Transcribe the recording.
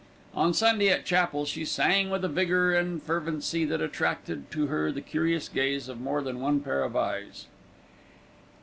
On Sunday at chapel, she sang with a vigour and fervency that attracted to her the curious gaze of more than one pair of eyes.